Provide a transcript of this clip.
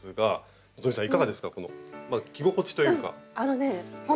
着心地というか。